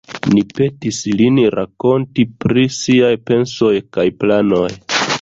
Ni petis lin rakonti pri siaj pensoj kaj planoj.